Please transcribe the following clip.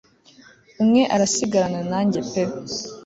umwe arasigarana nanjye pee